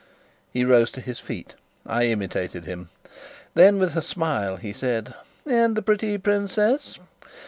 He rose to his feet; I imitated him. Then, with a smile, he said: "And the pretty princess?